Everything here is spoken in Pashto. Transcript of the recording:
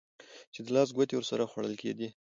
چې د لاس ګوتې ورسره خوړل کېدې.